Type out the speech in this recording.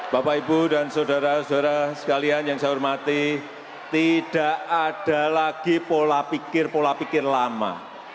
bapak ibu dan saudara saudara sekalian yang saya hormati tidak ada lagi pola pikir pola pikir lama